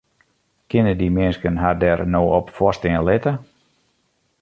Kinne dy minsken har dêr no op foarstean litte?